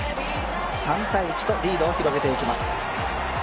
３−１とリードを広げていきます。